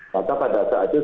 maka pada saat itu